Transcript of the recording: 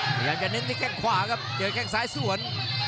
ศมีย้ามเก็บที่แค่งขวาครับเจอแค่งซ้ายส่วน